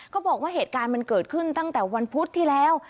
บอกว่าเหตุการณ์มันเกิดขึ้นตั้งแต่วันพุธที่แล้ว